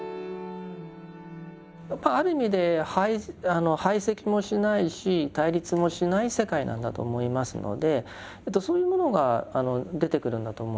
やっぱりある意味で排斥もしないし対立もしない世界なんだと思いますのでそういうものが出てくるんだと思います。